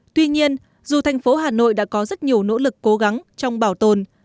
tuy nhiên dù thành phố hà nội đã có rất nhiều nỗ lực cố gắng trong bảo tồn